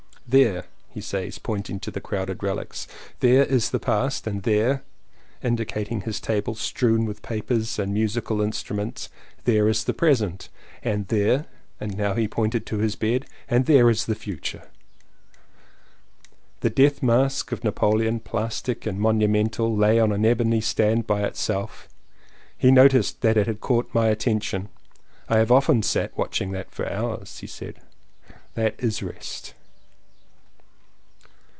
"There," says he pointing to the crowded relics, "there is^the past; and there," indicating his table strewn with papers and musical instruments, "there is the present; and there," and now he pointed to his bed, "and there is the future !" The death mask of Napoleon, plastic and monumental, lay on an ebony stand by itself. He noticed that it had caught my attention. "I have often sat watching that for hours," he said. "That is rest."